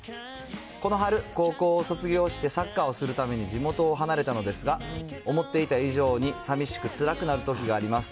この春、高校を卒業してサッカーをするために地元を離れたのですが、思っていた以上にさみしく、つらくなるときがあります。